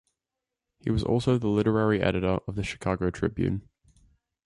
He was also the literary editor of the "Chicago Tribune".